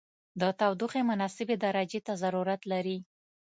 د تودوخې مناسبې درجې ته ضرورت لري.